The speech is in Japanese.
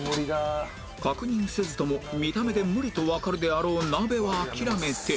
確認せずとも見た目で無理とわかるであろう鍋は諦めて